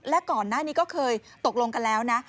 และก่อนหน้านี้ก็เคยตกลงกันแล้วนะ